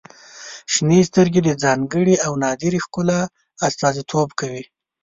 • شنې سترګې د ځانګړي او نادره ښکلا استازیتوب کوي.